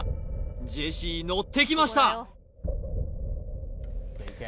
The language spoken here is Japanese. ジェシーのってきました